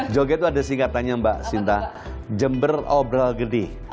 joget itu ada singkatannya mbak sinta jember obrol gede